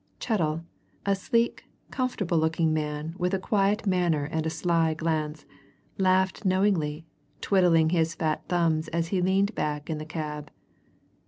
Chettle, a sleek, comfortable looking man, with a quiet manner and a sly glance, laughed knowingly, twiddling his fat thumbs as he leaned back in the cab.